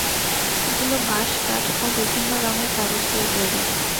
এগুলো বাঁশ, কাঠ ও বিভিন্ন রঙের কাগজ দিয়ে তৈরি।